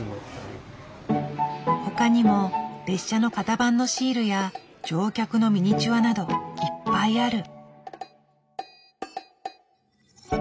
他にも列車の型番のシールや乗客のミニチュアなどいっぱいある。